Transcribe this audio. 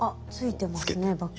あっついてますね